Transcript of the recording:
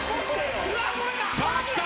さあきた！